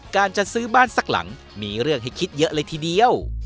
การจะซื้อบ้านสักหลังมีเรื่องให้คิดเยอะเลยทีเดียว